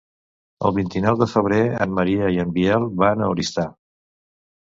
El vint-i-nou de febrer en Maria i en Biel van a Oristà.